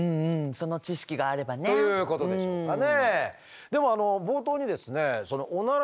その知識があればね。ということでしょうかね。